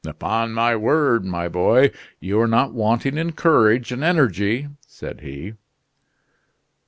"Upon my word, my boy, you are not wanting in courage and energy," said he.